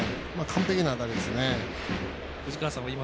完璧な当たりですね。